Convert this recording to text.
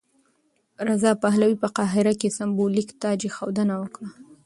رضا پهلوي په قاهره کې سمبولیک تاجاېښودنه وکړه.